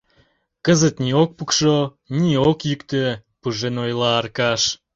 — Кызыт ни ок пукшо, ни ок йӱктӧ, — пужен ойла Аркаш.